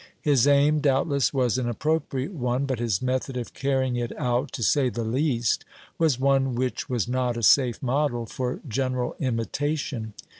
His aim, doubtless, was an appropriate one; but his method of carrying it out, to say the least, was one which was not a safe model for general imitation.